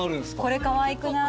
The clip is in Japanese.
これかわいくない？